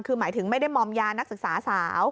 คือหมายถึงไม่ได้มอมยานักศึกษาสาว